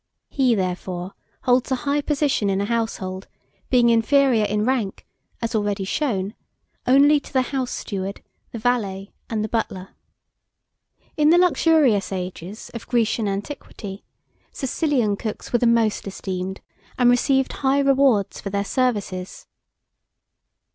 He, therefore, holds a high position in a household, being inferior in rank, as already shown (21), only to the house steward, the valet, and the butler. In the luxurious ages of Grecian antiquity, Sicilian cooks were the most esteemed, and received high rewards for their services.